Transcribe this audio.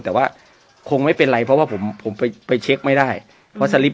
แต่ว่าคงไม่เป็นไรเพราะว่าผมผมไปไปเช็คไม่ได้เพราะสลิป